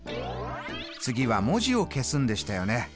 次は文字を消すんでしたよね。